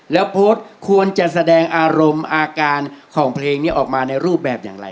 แล้วโพสต์ควรจะแสดงอารมณ์อาการของเพลงนี้ออกมาในรูปแบบอย่างไร